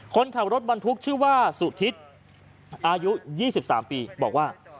คนขับรถบรรทุกชื่อว่าสุธิตอายุ๒๓ปีบอกว่า